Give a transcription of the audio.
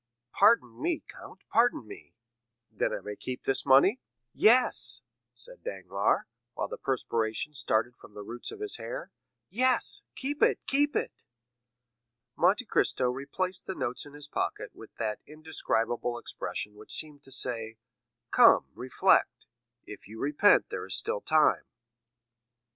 "Pardon me, count, pardon me." "Then I may keep this money?" "Yes," said Danglars, while the perspiration started from the roots of his hair. "Yes, keep it—keep it." Monte Cristo replaced the notes in his pocket with that indescribable expression which seemed to say, "Come, reflect; if you repent there is still time."